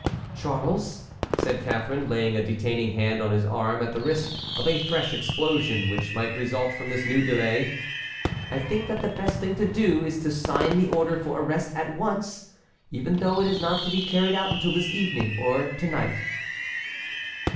"Charles," said Catharine, laying a detaining hand on his arm at the risk of a fresh explosion which might result from this new delay, "I think that the best thing to do is to sign the order for arrest at once, even though it is not to be carried out until this evening or to night."